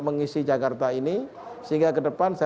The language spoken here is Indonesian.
mengisi jakarta ini sehingga kedepan saya